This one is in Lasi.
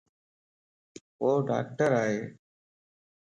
وو ڊاڪٽر ائي